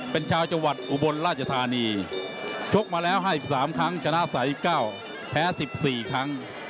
เป็นชาวจังหวัดอุบลราชธานีชกมาแล้ว๕๓ครั้งชนะ๓๙แพ้๑๔ครั้ง